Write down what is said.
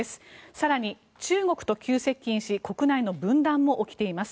更に、中国と急接近し国内の分断も起きています。